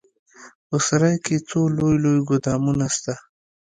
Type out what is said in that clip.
په سراى کښې څو لوى لوى ګودامونه سته.